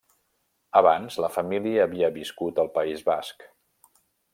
Abans la família havia viscut al País Basc.